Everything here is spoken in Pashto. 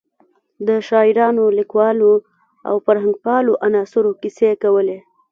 د شاعرانو، لیکوالو او فرهنګپالو عناصرو کیسې کولې.